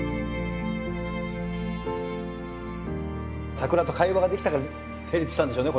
桜と会話ができたから成立したんでしょうね